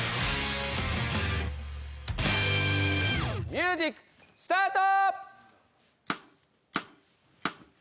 ミュージックスタート！